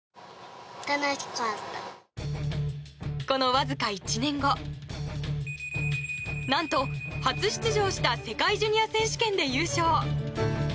このわずか１年後何と、初出場した世界ジュニア選手権で優勝。